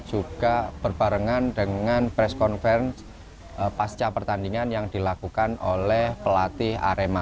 juga berbarengan dengan press conference pasca pertandingan yang dilakukan oleh pelatih arema